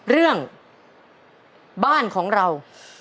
เรื่องบ้านของเรา